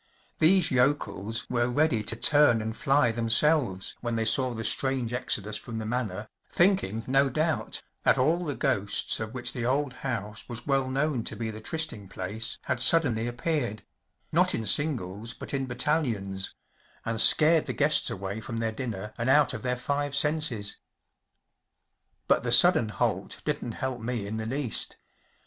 These yokels were ready to turn and fly themselves when they saw the strange exodus from the Manor, thinking, no doubt, that all the ghosts of which the old house was well known to be the trysting place had suddenly appeared‚ÄĒnot in singles but in battalions‚ÄĒand scared the guests away from their dinner and out of their five senses. But the sudden halt didn’t help me in the least.